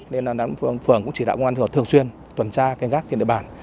nên phường cũng chỉ đạo công an thường xuyên tuần tra canh gác trên địa bàn